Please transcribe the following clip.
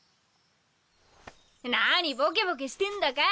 なにボケボケしてんだか。